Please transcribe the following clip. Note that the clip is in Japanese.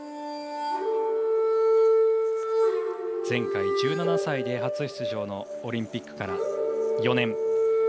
前回１７歳で初出場のオリンピックから４年。